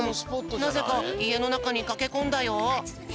なぜかいえのなかにかけこんだよ。